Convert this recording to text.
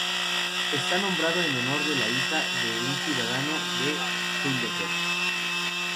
Está nombrado en honor de la hija de un ciudadano de Heidelberg.